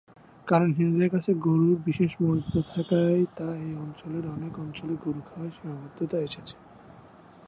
কারণ হিন্দুদের কাছে গরুর বিশেষ মর্যাদা থাকায় তা এই অঞ্চলের অনেক অঞ্চলে গরু খাওয়ায় সীমাবদ্ধতা এসেছে।